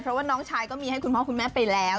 เพราะว่าน้องชายก็มีให้คุณพ่อคุณแม่ไปแล้ว